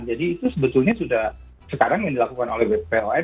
jadi itu sebetulnya sudah sekarang yang dilakukan oleh bpom